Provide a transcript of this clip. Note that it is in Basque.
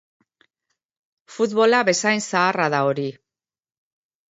Futbola bezain zaharra da hori.